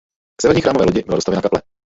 K severní chrámové lodi byla dostavěna kaple.